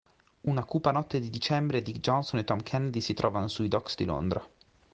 Una cupa notte di dicembre Dick Johnson e Tom Kennedy si trovano su i docks di Londra.